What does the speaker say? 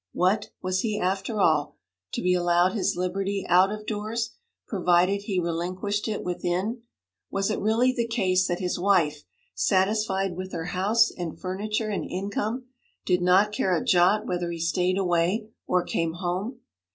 What! was he, after all, to be allowed his liberty out of doors, provided he relinquished it within? Was it really the case that his wife, satisfied with her house and furniture and income, did not care a jot whether he stayed away or came home?